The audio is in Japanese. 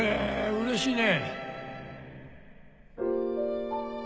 うれしいね